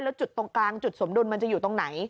แล้วจุดตรงกลางจุดสมดุลมันจะอยู่ตรงไหน